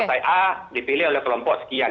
kita dipilih oleh kelompok sekian